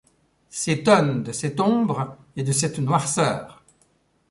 S’étonnent de cette ombre et de cette noirceur ;